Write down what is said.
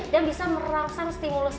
dan bisa merangsang stimulus otak